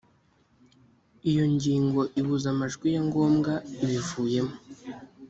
iyo ingingo ibuze amajwi ya ngombwa iba ivuyemo